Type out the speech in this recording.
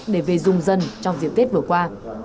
để về dùng dân trong diệp tết vừa qua